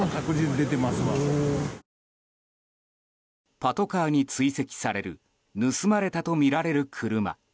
パトカーに追跡される盗まれたとみられる車。